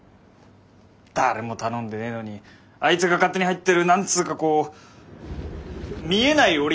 誰も頼んでねえのにあいつが勝手に入ってる何つうかこう見えない檻？